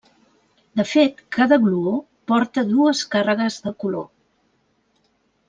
De fet, cada gluó porta dues càrregues de color.